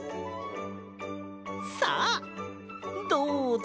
さあどうぞ！